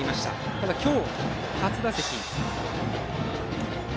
ただ今日、初打席。